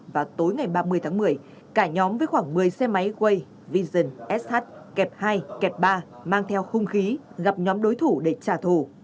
vào tối ngày ba mươi tháng một mươi cả nhóm với khoảng một mươi xe máy quay vision sh kẹp hai kẹp ba mang theo hung khí gặp nhóm đối thủ để trả thù